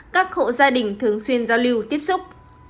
các hộ gia đình thường xuyên giao lưu tiếp xúc